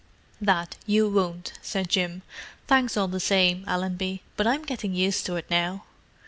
"That you won't," said Jim. "Thanks all the same, Allenby, but I'm getting used to it now."